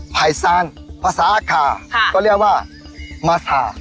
ไผ่สานภาษาอักษาก็เรียกว่ามาสา